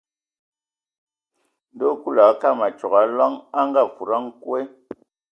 Ndo Kulu a akam a tsogo Aloŋ a ngafudi a nkwe.